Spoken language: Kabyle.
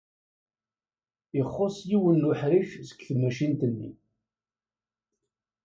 Ixuṣṣ yiwen n uḥric seg tmacint-nni.